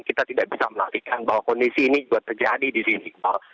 kita tidak bisa menantikan bahwa kondisi ini juga terjadi di sini iqbal